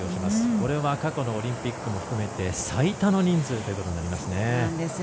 これは過去のオリンピック含めて最多の人数ということになります。